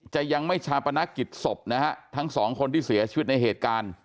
จะยังไม่ชาปนักกิจศพนะฮะทั้งสองคนที่เสียชีวิตในเหตุการณ์